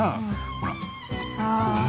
ほら。